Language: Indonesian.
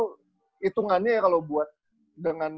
itu hitungannya ya kalau buat dengan